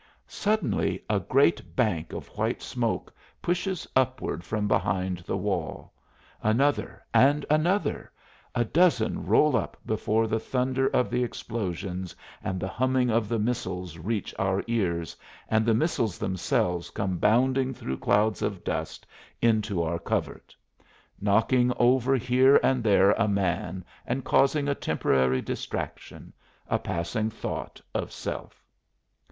Suddenly a great bank of white smoke pushes upward from behind the wall. Another and another a dozen roll up before the thunder of the explosions and the humming of the missiles reach our ears and the missiles themselves come bounding through clouds of dust into our covert, knocking over here and there a man and causing a temporary distraction, a passing thought of self.